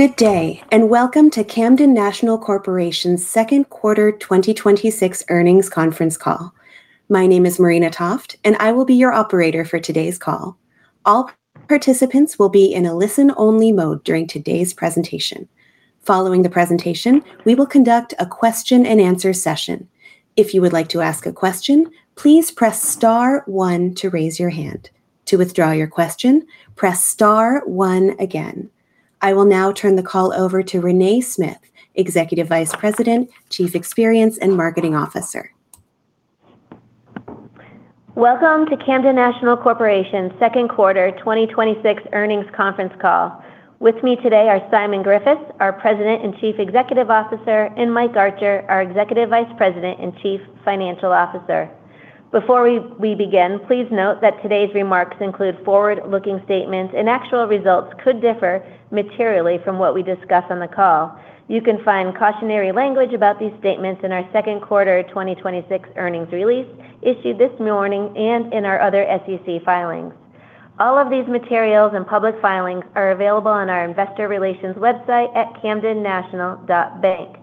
Good day. Welcome to Camden National Corporation's Second Quarter 2026 Earnings Conference Call. My name is Marina Toft, and I will be your operator for today's call. All participants will be in a listen-only mode during today's presentation. Following the presentation, we will conduct a question-and-answer session. If you would like to ask a question, please press star one to raise your hand. To withdraw your question, press star one again. I will now turn the call over to Renée Smyth, Executive Vice President, Chief Experience and Marketing Officer. Welcome to Camden National Corporation's Second Quarter 2026 Earnings Conference Call. With me today are Simon Griffiths, our President and Chief Executive Officer, and Michael Archer, our Executive Vice President and Chief Financial Officer. Before we begin, please note that today's remarks include forward-looking statements. Actual results could differ materially from what we discuss on the call. You can find cautionary language about these statements in our second quarter 2026 earnings release issued this morning and in our other SEC filings. All of these materials and public filings are available on our investor relations website at camdennational.bank.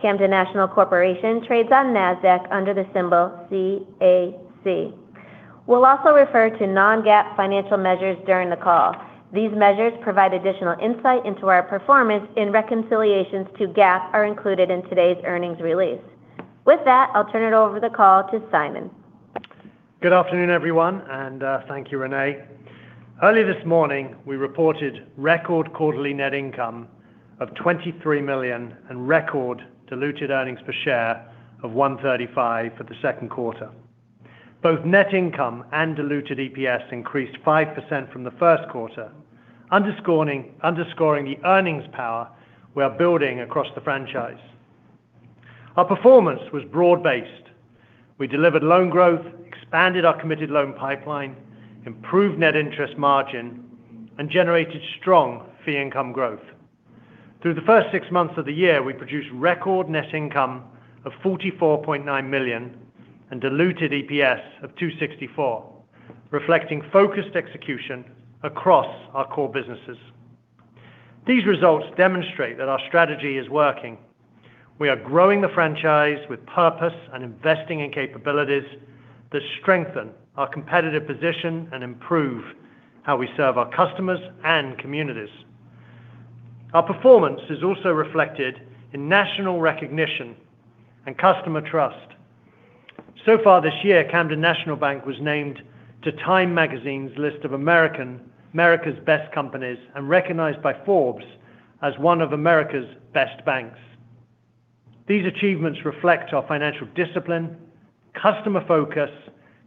Camden National Corporation trades on NASDAQ under the symbol CAC. We'll also refer to non-GAAP financial measures during the call. These measures provide additional insight into our performance. Reconciliations to GAAP are included in today's earnings release. With that, I'll turn it over the call to Simon. Good afternoon, everyone. Thank you, Renée. Early this morning, we reported record quarterly net income of $23 million and record diluted earnings per share of $1.35 for the second quarter. Both net income and diluted EPS increased 5% from the first quarter, underscoring the earnings power we are building across the franchise. Our performance was broad-based. We delivered loan growth, expanded our committed loan pipeline, improved net interest margin, and generated strong fee income growth. Through the first six months of the year, we produced record net income of $44.9 million and diluted EPS of $2.64, reflecting focused execution across our core businesses. These results demonstrate that our strategy is working. We are growing the franchise with purpose and investing in capabilities that strengthen our competitive position and improve how we serve our customers and communities. Our performance is also reflected in national recognition and customer trust. So far this year, Camden National Bank was named to Time magazine's list of America's Best Companies, and recognized by Forbes as one of America's best banks. These achievements reflect our financial discipline, customer focus,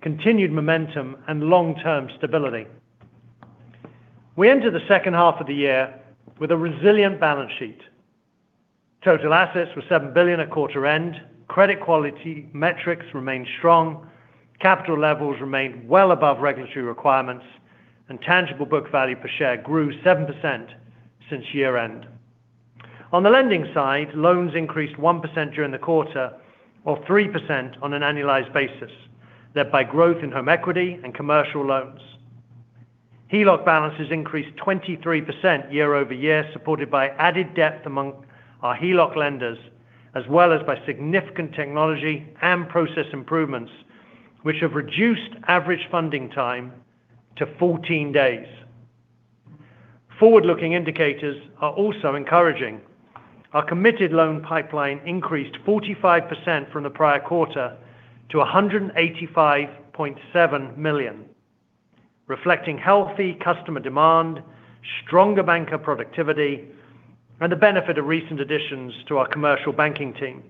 continued momentum, and long-term stability. We enter the second half of the year with a resilient balance sheet. Total assets were $7 billion at quarter end. Credit quality metrics remained strong. Capital levels remained well above regulatory requirements, and tangible book value per share grew 7% since year end. On the lending side, loans increased 1% during the quarter, or 3% on an annualized basis, led by growth in home equity and commercial loans. HELOC balances increased 23% year-over-year, supported by added depth among our HELOC lenders, as well as by significant technology and process improvements, which have reduced average funding time to 14 days. Forward-looking indicators are also encouraging. Our committed loan pipeline increased 45% from the prior quarter to $185.7 million, reflecting healthy customer demand, stronger banker productivity, and the benefit of recent additions to our commercial banking team.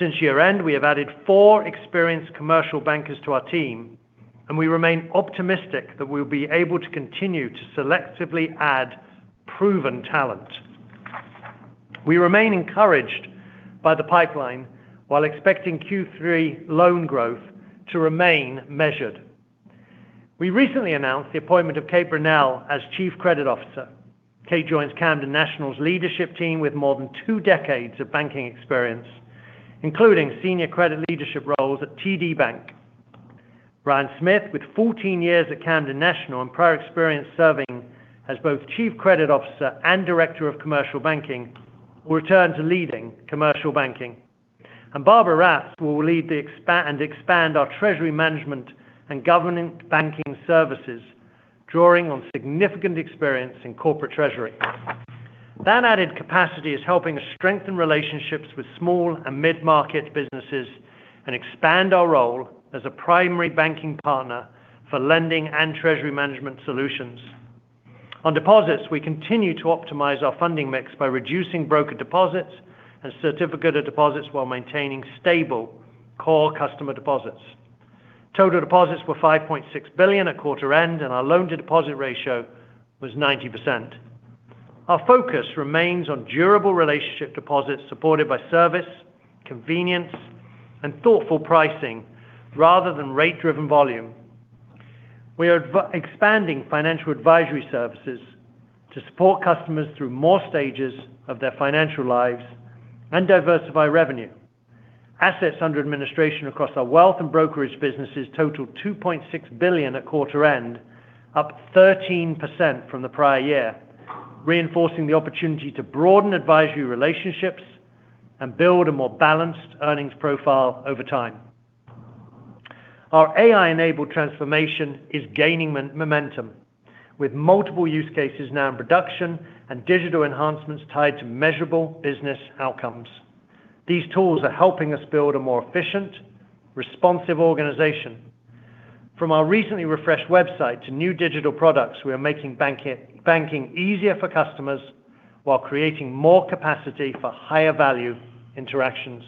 Since year end, we have added four experienced commercial bankers to our team, and we remain optimistic that we will be able to continue to selectively add proven talent. We remain encouraged by the pipeline while expecting Q3 loan growth to remain measured. We recently announced the appointment of Katherine Brunelle as Chief Credit Officer. Kay joins Camden National's leadership team with more than two decades of banking experience, including senior credit leadership roles at TD Bank. Ryan Smith, with 14 years at Camden National and prior experience serving as both Chief Credit Officer and Director of Commercial Banking, will return to leading commercial banking. Barbara Raths will lead and expand our treasury management and government banking services, drawing on significant experience in corporate treasury. That added capacity is helping us strengthen relationships with small and mid-market businesses and expand our role as a primary banking partner for lending and treasury management solutions. On deposits, we continue to optimize our funding mix by reducing broker deposits and certificate of deposits while maintaining stable core customer deposits. Total deposits were $5.6 billion at quarter end, and our loan-to-deposit ratio was 90%. Our focus remains on durable relationship deposits supported by service, convenience, and thoughtful pricing rather than rate-driven volume. We are expanding financial advisory services to support customers through more stages of their financial lives and diversify revenue. Assets under administration across our wealth and brokerage businesses totaled $2.6 billion at quarter end, up 13% from the prior year, reinforcing the opportunity to broaden advisory relationships and build a more balanced earnings profile over time. Our AI-enabled transformation is gaining momentum with multiple use cases now in production and digital enhancements tied to measurable business outcomes. These tools are helping us build a more efficient, responsive organization. From our recently refreshed website to new digital products, we are making banking easier for customers while creating more capacity for higher value interactions.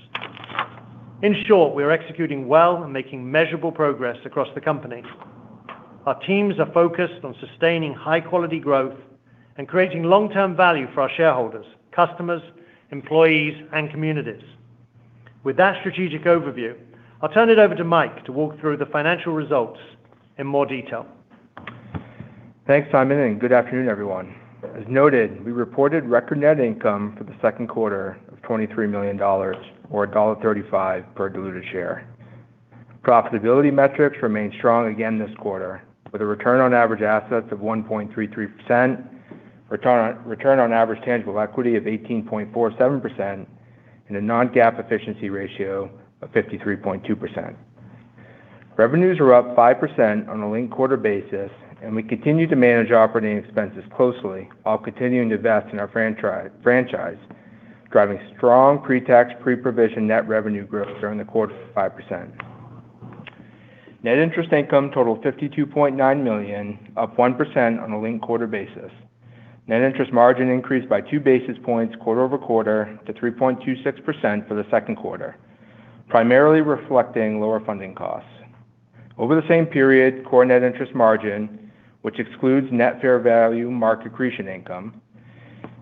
In short, we are executing well and making measurable progress across the company. Our teams are focused on sustaining high quality growth and creating long-term value for our shareholders, customers, employees, and communities. With that strategic overview, I will turn it over to Mike to walk through the financial results in more detail. Thanks, Simon, and good afternoon, everyone. As noted, we reported record net income for the second quarter of $23 million, or $1.35 per diluted share. Profitability metrics remained strong again this quarter with a return on average assets of 1.33%, return on average tangible equity of 18.47%, and a non-GAAP efficiency ratio of 53.2%. Revenues were up 5% on a linked quarter basis, and we continue to manage operating expenses closely while continuing to invest in our franchise, driving strong pre-tax, pre-provision net revenue growth during the quarter of 5%. Net interest income totaled $52.9 million, up 1% on a linked-quarter basis. Net interest margin increased by 2 basis points quarter over quarter to 3.26% for the second quarter, primarily reflecting lower funding costs. Over the same period, core net interest margin, which excludes net fair value mark accretion income,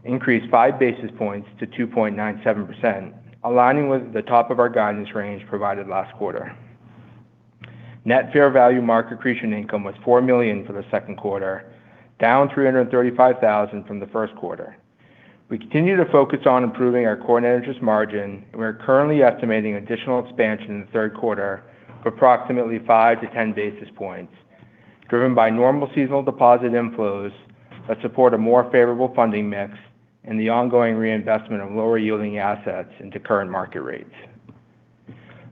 increased 5 basis points to 2.97%, aligning with the top of our guidance range provided last quarter. Net fair value mark accretion income was $4 million for the second quarter, down $335,000 from the first quarter. We continue to focus on improving our core net interest margin. We are currently estimating additional expansion in the third quarter of approximately 5 to 10 basis points, driven by normal seasonal deposit inflows that support a more favorable funding mix and the ongoing reinvestment of lower yielding assets into current market rates.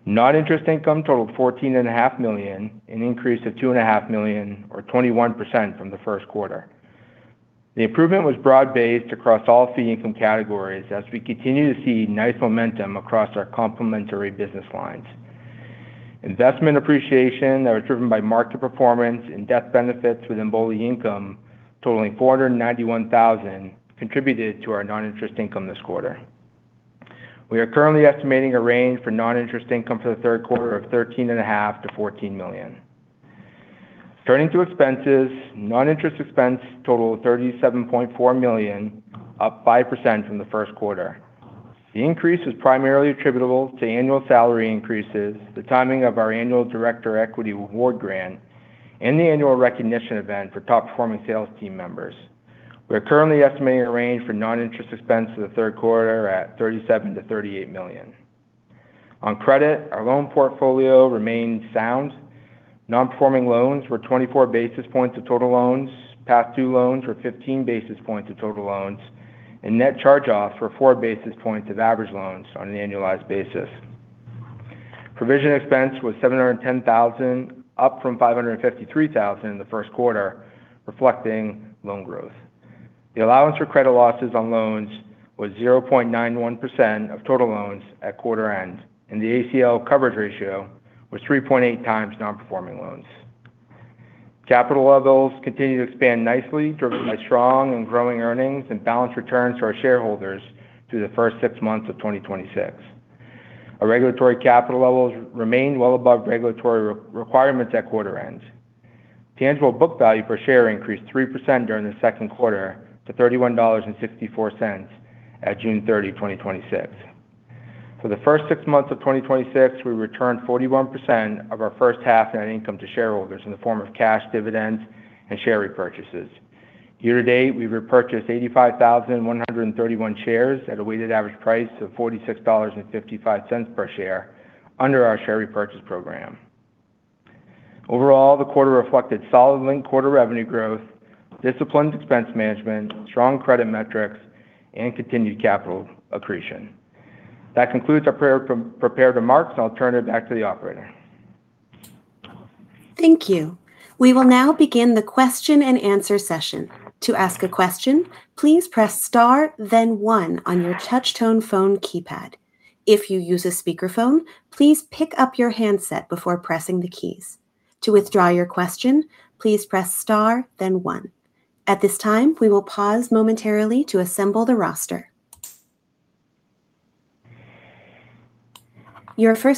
Non-interest income totaled $14.5 million, an increase of $2.5 million or 21% from the first quarter. The improvement was broad-based across all fee income categories as we continue to see nice momentum across our complementary business lines. Investment appreciation that was driven by mark-to-market performance and death benefits within BOLI income totaling $491,000 contributed to our non-interest income this quarter. We are currently estimating a range for non-interest income for the third quarter of $13.5 million-$14 million. Turning to expenses, non-interest expense total of $37.4 million, up 5% from the first quarter. The increase was primarily attributable to annual salary increases, the timing of our annual director equity award grant, and the annual recognition event for top performing sales team members. We are currently estimating a range for non-interest expense for the third quarter at $37 million-$38 million. On credit, our loan portfolio remains sound. Non-performing loans were 24 basis points of total loans. Past due loans were 15 basis points of total loans. Net charge-offs were 4 basis points of average loans on an annualized basis. Provision expense was $710,000, up from $553,000 in the first quarter, reflecting loan growth. The allowance for credit losses on loans was 0.91% of total loans at quarter end, and the ACL coverage ratio was 3.8x non-performing loans. Capital levels continue to expand nicely, driven by strong and growing earnings and balanced returns to our shareholders through the first six months of 2026. Our regulatory capital levels remain well above regulatory requirements at quarter end. Tangible book value per share increased 3% during the second quarter to $31.64 at June 30, 2026. For the first six months of 2026, we returned 41% of our first half net income to shareholders in the form of cash dividends and share repurchases. Year to date, we've repurchased 85,131 shares at a weighted average price of $46.55 per share under our share repurchase program. Overall, the quarter reflected solid linked quarter revenue growth, disciplined expense management, strong credit metrics, and continued capital accretion. That concludes our prepared remarks. I'll turn it back to the operator. Thank you. We will now begin the question-and-answer session. Your first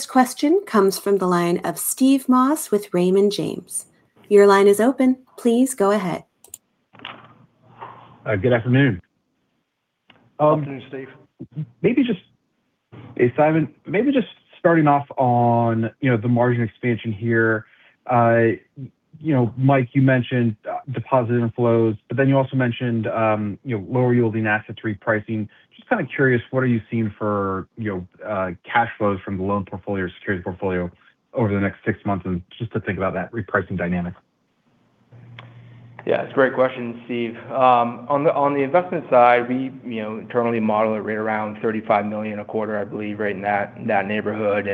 question comes from the line of Steve Moss with Raymond James. Your line is open. Please go ahead. Good afternoon. Afternoon, Steve. Hey, Simon. Maybe just starting off on the margin expansion here. Mike, you mentioned deposit inflows, you also mentioned lower yielding assets repricing. Just kind of curious, what are you seeing for cash flows from the loan portfolio or security portfolio over the next six months? Just to think about that repricing dynamic. Yeah. It's a great question, Steve. On the investment side, we internally model it right around $35 million a quarter, I believe, right in that neighborhood.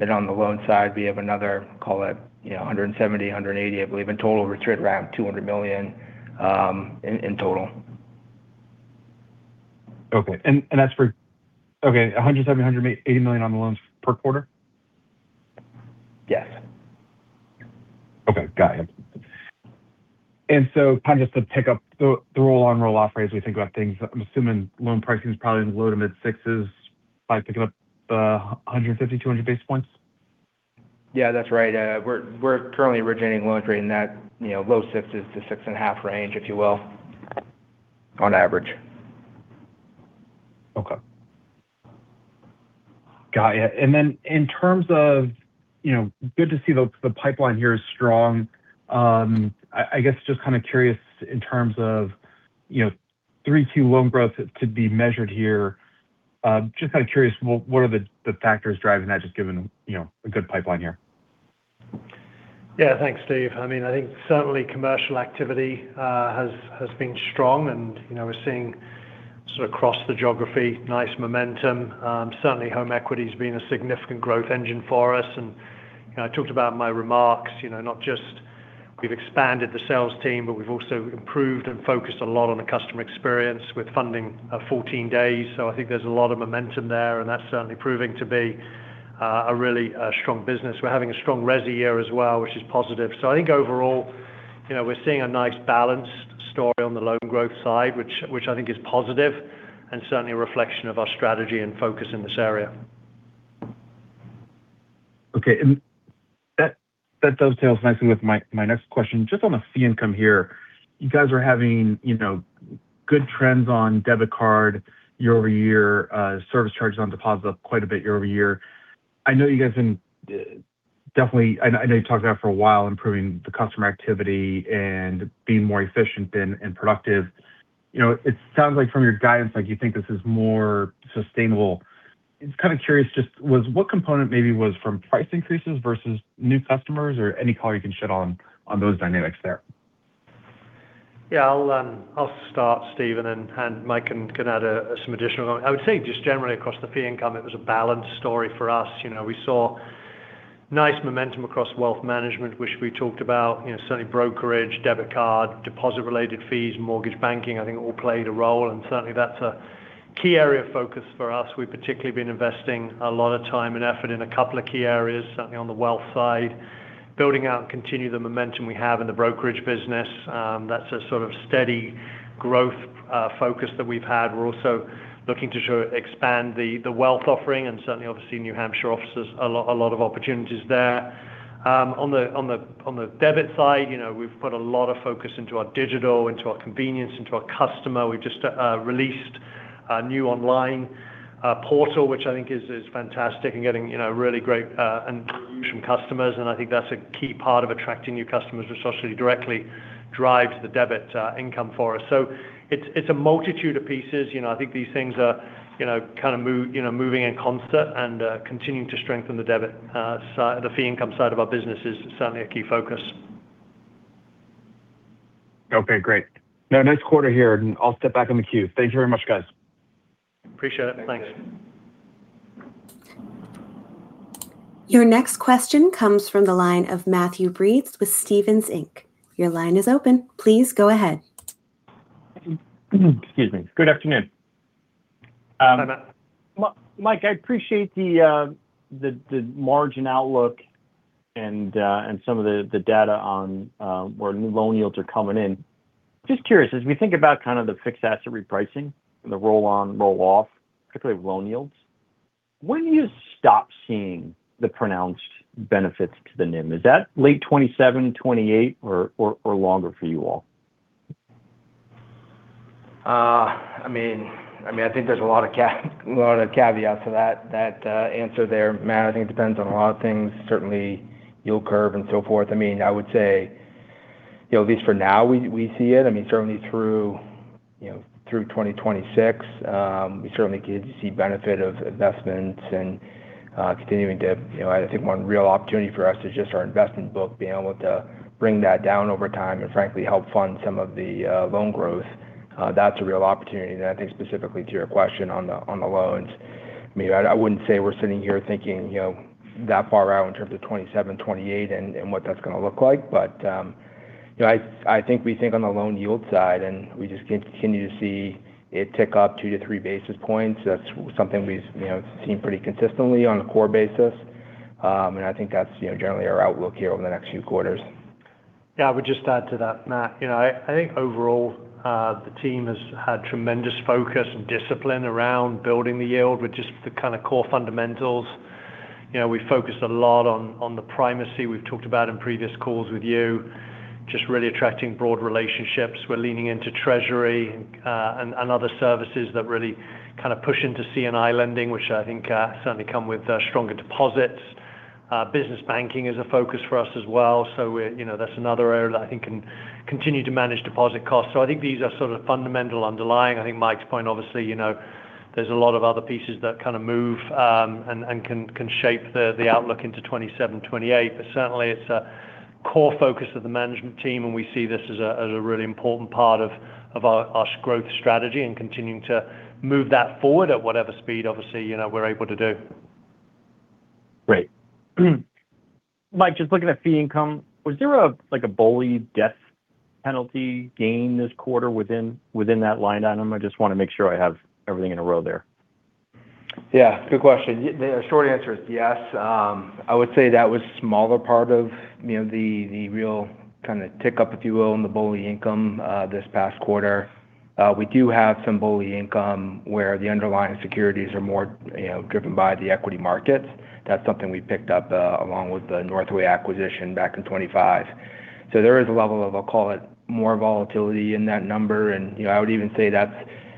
On the loan side, we have another, call it, $170 million, $180 million, I believe, in total return around $200 million in total. Okay. That's for Okay, $170 million, $180 million on the loans per quarter? Yes. Okay. Got it. Kind of just to pick up the roll on, roll off rates as we think about things, I'm assuming loan pricing is probably in the low to mid sixes by picking up 150, 200 basis points. Yeah, that's right. We're currently originating loan rate in that low sixes to six and a half range, if you will, on average. Okay. Got you. In terms of, good to see the pipeline here is strong. I guess just kind of curious in terms of 3Q loan growth could be measured here. Just kind of curious, what are the factors driving that just given a good pipeline here? Yeah. Thanks, Steve. I think certainly commercial activity has been strong, we're seeing sort of across the geography, nice momentum. Certainly home equity's been a significant growth engine for us. I talked about in my remarks not just we've expanded the sales team, but we've also improved and focused a lot on the customer experience with funding of 14 days. I think there's a lot of momentum there, that's certainly proving to be a really strong business. We're having a strong resi year as well, which is positive. I think overall, we're seeing a nice balanced story on the loan growth side, which I think is positive and certainly a reflection of our strategy and focus in this area. Okay. That dovetails nicely with my next question. Just on the fee income here. You guys are having good trends on debit card year-over-year, service charges on deposits up quite a bit year-over-year. I know you've talked about it for a while, improving the customer activity and being more efficient and productive. It sounds like from your guidance, like you think this is more sustainable. Just kind of curious, just what component maybe was from price increases versus new customers or any color you can shed on those dynamics there? Yeah. I'll start, Steve, Mike can add some additional. I would say just generally across the fee income, it was a balanced story for us. We saw nice momentum across wealth management, which we talked about. Certainly brokerage, debit card, deposit-related fees, mortgage banking, I think all played a role, certainly that's a key area of focus for us. We've particularly been investing a lot of time and effort in a couple of key areas. Certainly on the wealth side, building out continue the momentum we have in the brokerage business. That's a sort of steady growth focus that we've had. We're also looking to expand the wealth offering, certainly, obviously New Hampshire offices, a lot of opportunities there. On the debit side, we've put a lot of focus into our digital, into our convenience, into our customer. We've just released a new online portal, which I think is fantastic and getting really great from customers. I think that's a key part of attracting new customers, which certainly directly drives the debit income for us. It's a multitude of pieces. I think these things are kind of moving in concert and continuing to strengthen the debit side, the fee income side of our business is certainly a key focus. Okay, great. No, nice quarter here. I'll step back on the queue. Thank you very much, guys. Appreciate it. Thanks. Thanks. Your next question comes from the line of Matthew Breese with Stephens Inc. Your line is open. Please go ahead. Good afternoon. Hi, Matt. Mike, I appreciate the margin outlook and some of the data on where new loan yields are coming in. Just curious, as we think about kind of the fixed asset repricing and the roll on, roll off, particularly loan yields, when do you stop seeing the pronounced benefits to the NIM? Is that late 2027, 2028 or longer for you all? I think there's a lot of caveats to that answer there, Matt. I think it depends on a lot of things. Certainly yield curve and so forth. I would say at least for now, we see it. Certainly through 2026, we certainly could see benefit of investments and continuing to I think one real opportunity for us is just our investment book, being able to bring that down over time and frankly help fund some of the loan growth. That's a real opportunity. I think specifically to your question on the loans, I wouldn't say we're sitting here thinking that far out in terms of 2027, 2028 and what that's going to look like. I think we think on the loan yield side, and we just continue to see it tick up 2 to 3 basis points. That's something we've seen pretty consistently on a core basis. I think that's generally our outlook here over the next few quarters. Yeah, I would just add to that, Matt. I think overall, the team has had tremendous focus and discipline around building the yield with just the kind of core fundamentals. We focused a lot on the primacy we've talked about in previous calls with you. Just really attracting broad relationships. We're leaning into Treasury and other services that really kind of push into C&I lending, which I think certainly come with stronger deposits. Business banking is a focus for us as well. That's another area that I think can continue to manage deposit costs. I think these are sort of fundamental underlying. I think Mike's point obviously. There's a lot of other pieces that kind of move and can shape the outlook into 2027, 2028. Certainly, it's a core focus of the management team, and we see this as a really important part of our growth strategy and continuing to move that forward at whatever speed, obviously, we're able to do. Great. Mike, just looking at fee income, was there a BOLI death benefit gain this quarter within that line item? I just want to make sure I have everything in a row there. Yeah, good question. The short answer is yes. I would say that was a smaller part of the real kind of tick up, if you will, in the BOLI income this past quarter. We do have some BOLI income where the underlying securities are more driven by the equity markets. That's something we picked up along with the Northway acquisition back in 2025. There is a level of, I'll call it, more volatility in that number. I would even say that's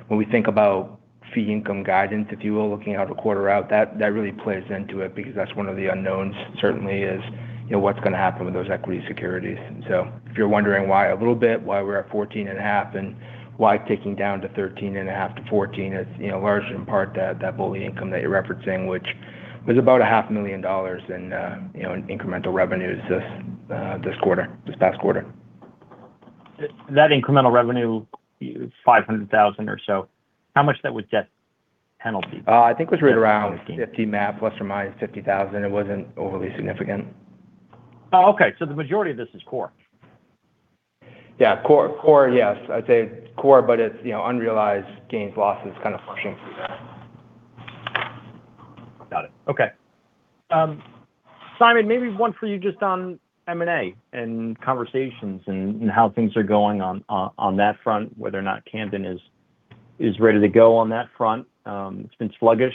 when we think about fee income guidance, if you will, looking out a quarter out, that really plays into it because that's one of the unknowns, certainly, is what's going to happen with those equity securities. If you're wondering why a little bit, why we're at $14.5 million and why ticking down to $13.5 million-$14 million, it's large in part that BOLI income that you're referencing, which was about $500,000 in incremental revenues this past quarter. That incremental revenue, $500,000 or so, how much of that was death benefit? I think it was right around $50, Matthew, ±$50,000. It wasn't overly significant. Oh, okay. The majority of this is core. Yeah. Core, yes. I'd say core, but it's unrealized gains, losses kind of flushing through that. Got it. Okay. Simon, maybe one for you just on M&A and conversations and how things are going on that front, whether or not Camden is ready to go on that front. It's been sluggish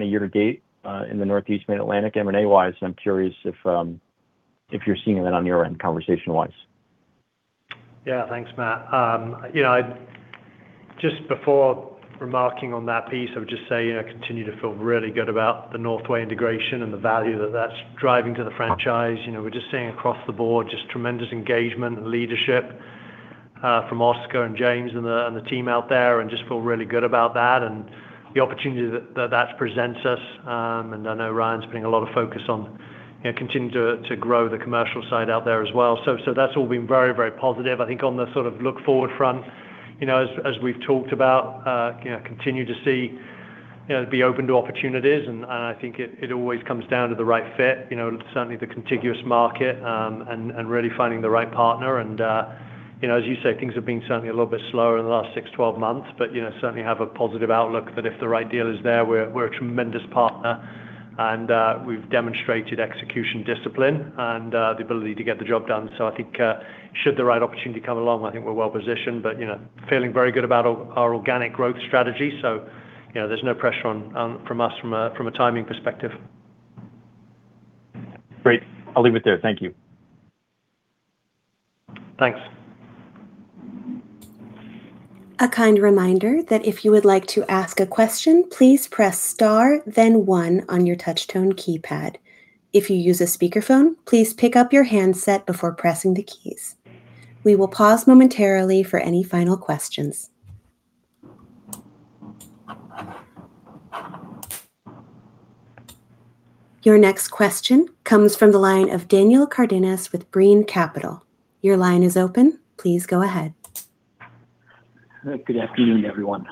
year to date in the Northeast Mid-Atlantic, M&A-wise, and I'm curious if you're seeing that on your end, conversation-wise. Yeah, thanks, Matt. Just before remarking on that piece, I would just say I continue to feel really good about the Northway integration and the value that's driving to the franchise. We're just seeing across the board just tremendous engagement and leadership from Oscar and James and the team out there and just feel really good about that and the opportunity that presents us. I know Ryan's putting a lot of focus on continuing to grow the commercial side out there as well. That's all been very positive. I think on the look forward front, as we've talked about, continue to be open to opportunities, and I think it always comes down to the right fit. Certainly the contiguous market and really finding the right partner. As you say, things have been certainly a little bit slower in the last 6, 12 months, but certainly have a positive outlook that if the right deal is there, we're a tremendous partner and we've demonstrated execution discipline and the ability to get the job done. I think should the right opportunity come along, I think we're well positioned. Feeling very good about our organic growth strategy. There's no pressure from us from a timing perspective. Great. I'll leave it there. Thank you. Thanks. Your next question comes from the line of Daniel Cardenas with Brean Capital. Your line is open. Please go ahead. Good afternoon, everyone.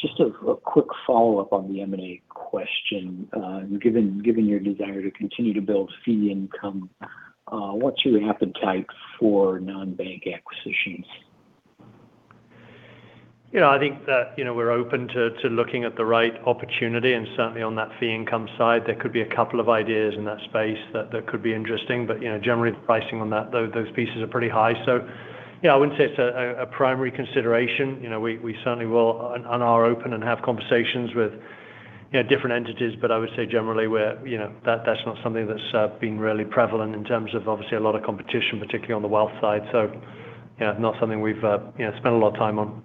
Just a quick follow-up on the M&A question. Given your desire to continue to build fee income, what's your appetite for non-bank acquisitions? I think that we're open to looking at the right opportunity, certainly on that fee income side, there could be a couple of ideas in that space that could be interesting. Generally, the pricing on those pieces are pretty high. I wouldn't say it's a primary consideration. We certainly will and are open and have conversations with different entities. I would say generally that's not something that's been really prevalent in terms of obviously a lot of competition, particularly on the wealth side. Not something we've spent a lot of time on.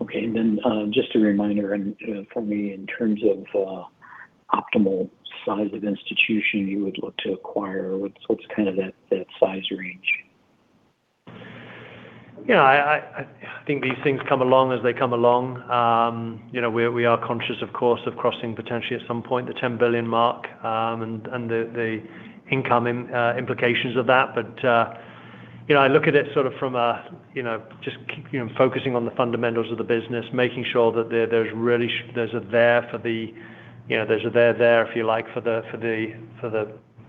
Okay. Then just a reminder for me in terms of optimal size of institution you would look to acquire. What's that size range? I think these things come along as they come along. We are conscious, of course, of crossing potentially at some point the $10 billion mark, and the income implications of that. I look at it sort of from just focusing on the fundamentals of the business, making sure that they're there for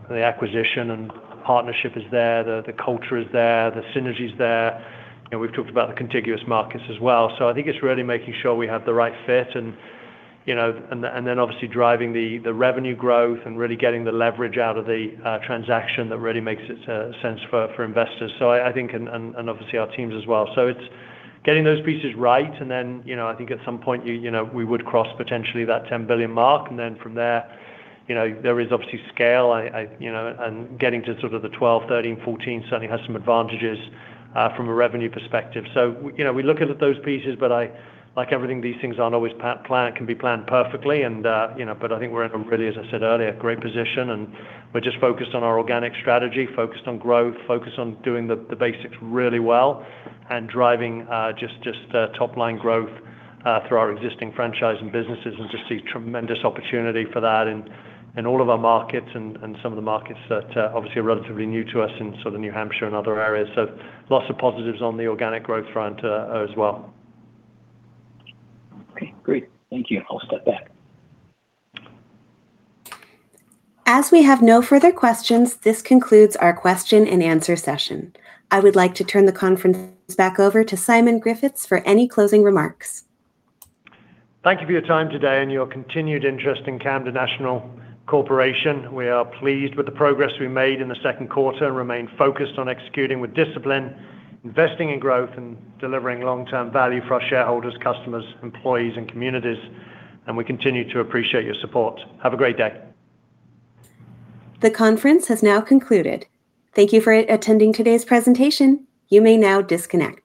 the acquisition and partnership is there, the culture is there, the synergy's there. We've talked about the contiguous markets as well. I think it's really making sure we have the right fit and then obviously driving the revenue growth and really getting the leverage out of the transaction that really makes sense for investors. I think, and obviously our teams as well. It's getting those pieces right, and then I think at some point we would cross potentially that $10 billion mark, and then from there is obviously scale. Getting to sort of the $12 billion, $13 billion, $14 billion certainly has some advantages from a revenue perspective. We look at those pieces, but like everything, these things aren't always planned, can be planned perfectly. I think we're in a really, as I said earlier, great position, and we're just focused on our organic strategy, focused on growth, focused on doing the basics really well, and driving just top line growth through our existing franchise and businesses and just see tremendous opportunity for that in all of our markets and some of the markets that obviously are relatively new to us in New Hampshire and other areas. Lots of positives on the organic growth front as well. Okay, great. Thank you. I'll step back. As we have no further questions, this concludes our question-and-answer session. I would like to turn the conference back over to Simon Griffiths for any closing remarks. Thank you for your time today and your continued interest in Camden National Corporation. We are pleased with the progress we made in the second quarter and remain focused on executing with discipline, investing in growth, and delivering long-term value for our shareholders, customers, employees, and communities. We continue to appreciate your support. Have a great day. The conference has now concluded. Thank you for attending today's presentation. You may now disconnect.